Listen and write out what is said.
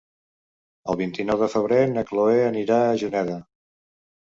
El vint-i-nou de febrer na Chloé anirà a Juneda.